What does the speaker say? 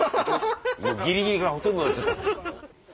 ギリギリがほとんどになっちゃった。